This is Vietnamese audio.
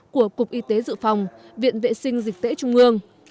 của cục y tế dự phòng viện vệ sinh dịch tễ trung ương